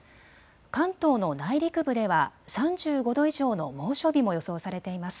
関東の内陸部では３５度以上の猛暑日も予想されています。